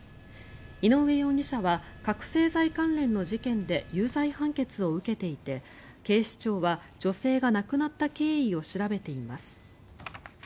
井上容疑者は覚醒剤関連の事件で有罪判決を受けていて警視庁は女性が亡くなった経緯を調べています。